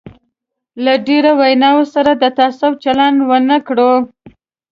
له ټولو ویناوو سره د تعصب چلند ونه کړو.